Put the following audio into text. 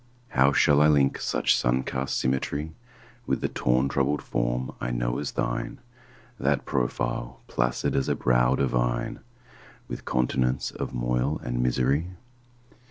How shall I link such sun cast symmetry With the torn troubled form I know as thine, That profile, placid as a brow divine, With continents of moil and misery?